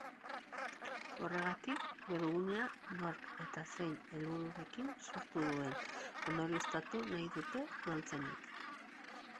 Horregatik, webgunea nork eta zein helbururekin sortu duen ondorioztatu nahi dute udaltzainek.